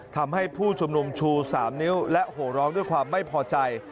ทำให้ผู้ชุมนุมชู๓นิ้วและโหร้องด้วยความไม่พอใจ